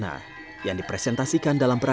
tiap tarian topeng bali syarat akan makna